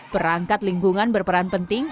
perangkat lingkungan berperan penting